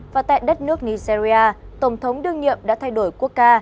và tại đất nước nigeria tổng thống đương nhiệm đã thay đổi quốc ca